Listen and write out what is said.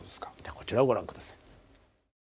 こちらをご覧下さい。